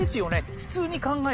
普通に考えたら。